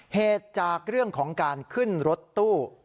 เหตุจากเรื่องของการขึ้นรถตู้